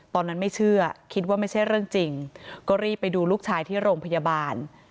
ตอนนั้นไม่เชื่อคิดว่าไม่ใช่เรื่องจริงก็รีบไปดูลูกชายที่โรงพยาบาล